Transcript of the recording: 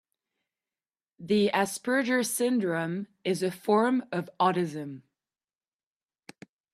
The Asperger syndrome is a form of autism.